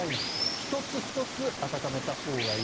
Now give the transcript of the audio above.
１つ１つ温めたほうがいい。